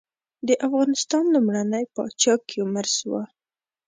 د افغانستان لومړنی پاچا کيومرث وه.